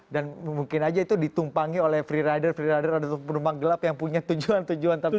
dan mungkin aja itu ditumpangi oleh freerider freerider atau penumpang gelap yang punya tujuan tujuan tertentu